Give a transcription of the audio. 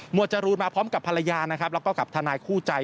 จรูนมาพร้อมกับภรรยานะครับแล้วก็กับทนายคู่ใจ